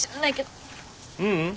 ううん。